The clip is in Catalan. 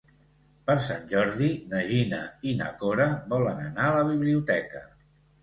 Per Sant Jordi na Gina i na Cora volen anar a la biblioteca.